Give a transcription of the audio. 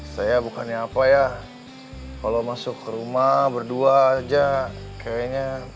saya bukannya apa ya kalau masuk ke rumah berdua aja kayaknya